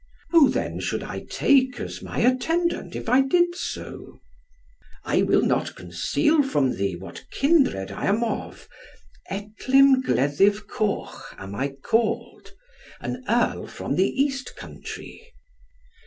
"Who then should I take as my attendant, if I did so?" "I will not conceal from thee what kindred I am of. Etlym Gleddyv Coch am I called, an Earl from the East Country."